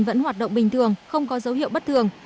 vẫn hoạt động bình thường không có dấu hiệu bất thường